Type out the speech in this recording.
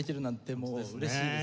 もう嬉しいです。